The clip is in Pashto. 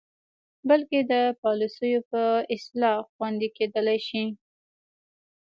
بلکې د پالسیو په اصلاح خوندې کیدلې شي.